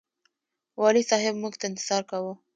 والي صاحب موږ ته انتظار کاوه.